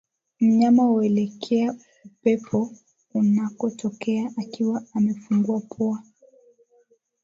Mnyama huelekea upepo unakotokea akiwa amefungua pua